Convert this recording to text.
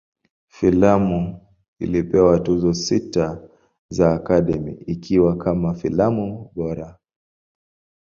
Filamu ilipewa Tuzo sita za Academy, ikiwa kama filamu bora.